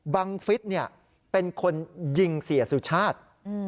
บังฟิศเป็นคนยิงเสียสุชาติ